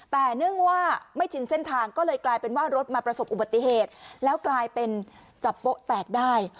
แต่เนื่องว่าไม่ชินเส้นทางก็เลยกลายเป็นว่ารถมาประสบอุบัติเหตุแล้วกลายเป็นจับโป๊ะแตกได้